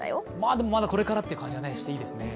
でも、まだこれからという感じがしていいですね。